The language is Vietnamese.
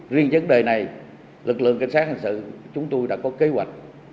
riêng vấn đề này lực lượng cảnh sát hành sự chúng tôi đã có kế hoạch